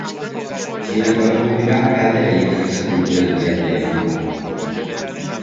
Txinako Errepublika kalte gehien jasan dituen herrialdea izan da.